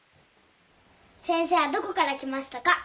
先生はどこから来ましたか？